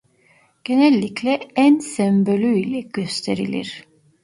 Genellikle "n" sembolü ile gösterilir.